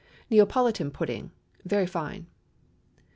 NEAPOLITAN PUDDING.—(_Very fine.